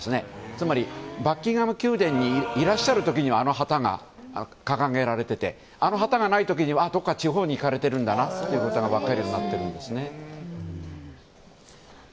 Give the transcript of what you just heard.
つまりバッキンガム宮殿にいらっしゃる時にはあの旗が掲げられていてあの旗がない時にはどこか地方に行かれているんだと分かるようになっているんですね。